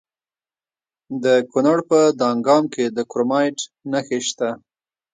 د کونړ په دانګام کې د کرومایټ نښې شته.